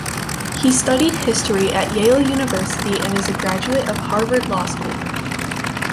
He studied history at Yale University and is a graduate of Harvard Law School.